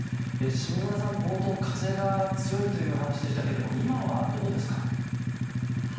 下村さん、冒頭風が強いという話でしたけれども今は、どうですか？